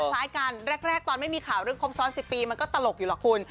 คล้ายกันแรกตอนไม่มีข่าวเรื่องครบซ้อน๑๐ปีมันก็ตลกอยู่หรอกคุณ